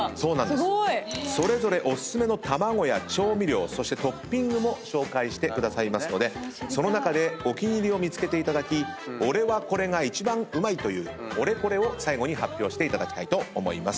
すごい！それぞれお薦めの卵や調味料そしてトッピングも紹介してくださいますのでその中でお気に入りを見つけていただき俺はこれが一番うまいというオレコレを最後に発表していただきたいと思います。